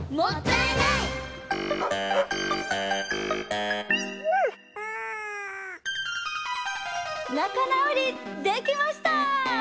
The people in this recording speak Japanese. なかなおりできました！